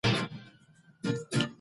تر څو ثوابونه ورته حاصل سي.